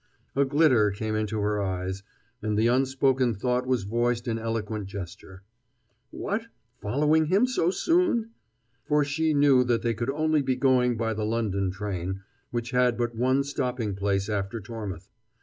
A glitter came into her eyes, and the unspoken thought was voiced in eloquent gesture: "What, following him so soon?" for she knew that they could only be going by the London train, which had but one stopping place after Tormouth.